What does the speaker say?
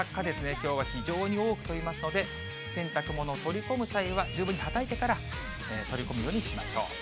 きょうは非常に多く飛びますので、洗濯物を取り込む際は、十分にはたいてから取り込むようにしましょう。